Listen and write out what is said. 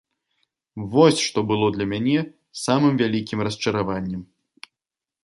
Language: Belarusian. Вось, што было для мяне самым вялікім расчараваннем.